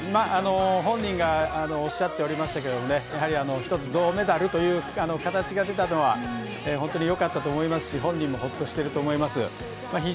本人がおっしゃっておりましたがやはり、１つ銅メダルという形が出たのは本当に良かったと思いますし本人もほっとしていると思います。